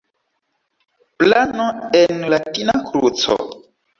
Plano en latina kruco.